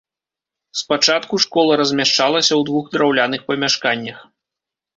Спачатку школа размяшчалася ў двух драўляных памяшканнях.